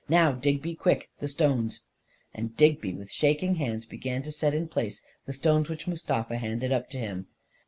Now, Digby, quick — the stones I " And Digby, with shaking hands, began to set in place the stones which Mustafa handed up to him.